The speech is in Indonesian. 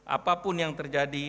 apapun yang terjadi